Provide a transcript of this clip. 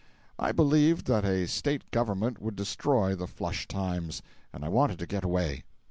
I believed that a State government would destroy the "flush times," and I wanted to get away.